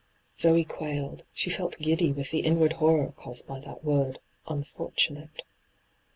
Zee quailed ; she felt giddy with the inward horror caused by that word ' unfortunate.